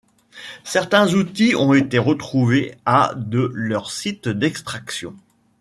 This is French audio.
Certains outils ont été retrouvés à de leur site d'extraction.